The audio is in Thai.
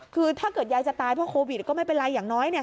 คือถ้าเกิดยายจะตายเพราะโควิดก็ไม่เป็นไรอย่างน้อยเนี่ย